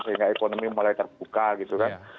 sehingga ekonomi mulai terbuka gitu kan